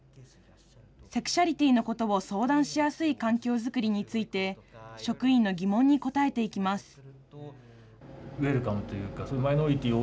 セクシュアリティーのことを相談しやすい環境作りについて、職員の疑問に答えていきます。